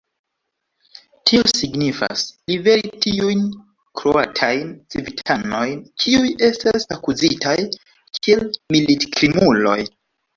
Tio signifas: liveri tiujn kroatajn civitanojn, kiuj estas akuzitaj kiel militkrimuloj.